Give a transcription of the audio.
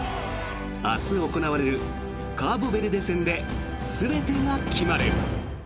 明日行われるカーボベルデ戦で全てが決まる。